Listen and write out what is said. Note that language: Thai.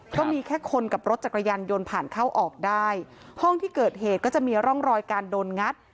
ก็มีแค่คนกับรถจักรยานยนต์ผ่านเข้าออกได้ห้องที่เกิดเหตุก็จะมีร่องรอยการโดนงัด